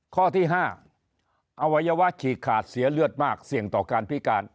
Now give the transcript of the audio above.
ข้อที่๕อวัยวะฉีกขาดเสียเลือดมากเสี่ยงต่อการพิการ